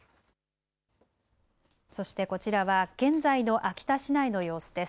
そしてこちらは現在の秋田市内の様子です。